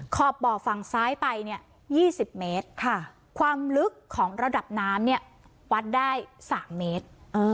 ขอบบ่อฝั่งซ้ายไปเนี่ย๒๐เมตรความลึกของระดับน้ำเนี่ยวัดได้๓เมตร